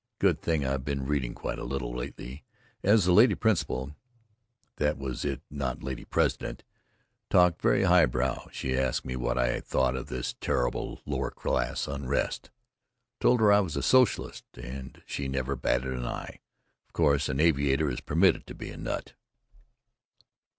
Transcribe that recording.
Good thing I've been reading quite a little lately, as the Lady Principal (that was it, not Lady President) talked very high brow. She asked me what I thought of this "terrible lower class unrest." Told her I was a socialist and she never batted an eye—of course an aviator is permitted to be a nut.